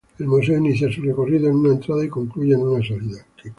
El museo inicia su recorrido en una entrada y concluye en una salida.